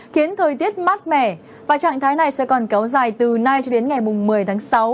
khiến thời tiết mát mẻ và trạng thái này sẽ còn kéo dài từ nay cho đến ngày một mươi tháng sáu